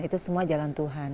itu semua jalan tuhan